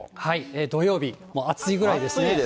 土曜日、もう暑いぐらいですね。